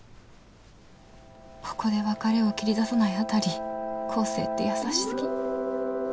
ここで別れを切り出さないあたり光晴って優しすぎ。